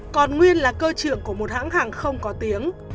còn nguyên là cơ trưởng của một hãng hàng không có tiếng